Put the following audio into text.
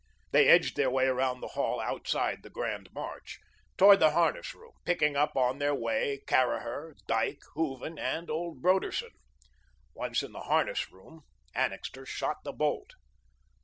They edged their way around the hall outside "The Grand March," toward the harness room, picking up on their way Caraher, Dyke, Hooven and old Broderson. Once in the harness room, Annixter shot the bolt.